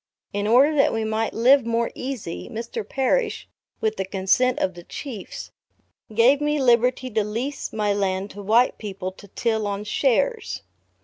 In order that we might live more easy, Mr. Parrish, with the consent of the chiefs, gave me liberty to lease or my land to white people to till on shares.